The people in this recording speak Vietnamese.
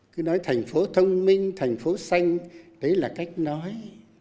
cứ nói thành phố thông minh thành phố xanh đấy là cách nói